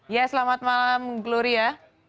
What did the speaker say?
ya selamat malam gloria